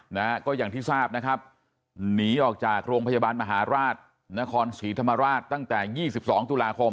นะฮะก็อย่างที่ทราบนะครับหนีออกจากโรงพยาบาลมหาราชนครศรีธรรมราชตั้งแต่ยี่สิบสองตุลาคม